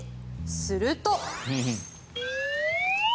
すると。